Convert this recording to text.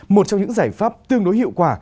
một trong những giải pháp tương đối hiệu quả